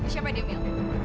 siapa dia mil